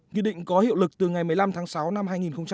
nghị định có hiệu lực từ ngày một mươi năm tháng sáu năm hai nghìn hai mươi